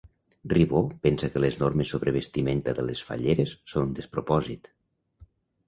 Ribó pensa que les normes sobre vestimenta de les falleres són un despropòsit